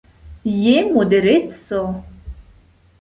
Je modereco.